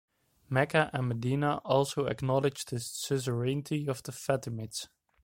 Mecca and Medina also acknowledged the suzerainty of the Fatimids.